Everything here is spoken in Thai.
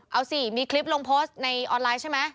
เอาสิมีคลิปลงโพสต์ในออนไลน์ใช่ไหม